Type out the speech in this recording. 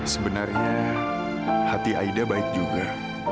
sebenarnya hati aida baik juga